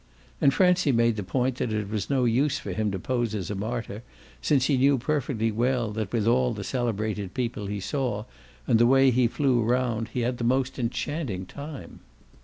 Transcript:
And Francie made the point that it was no use for him to pose as a martyr, since he knew perfectly well that with all the celebrated people he saw and the way he flew round he had the most enchanting time.